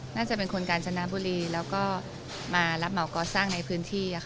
น่าจะเป็นคนกาญจนบุรีแล้วก็มารับเหมาก่อสร้างในพื้นที่